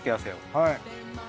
はい。